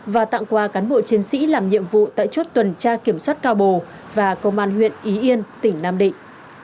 và tặng quà cán bộ chiến sĩ làm nhiệm vụ tại chốt tuần tra kiểm soát cao bồ và công an huyện ý yên tỉnh nam định